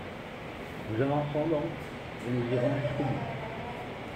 Nous avançons donc, et nous irons jusqu’au bout.